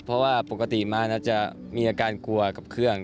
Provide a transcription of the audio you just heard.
เพราะว่าปกติมาจะมีอาการกลัวกับเครื่อง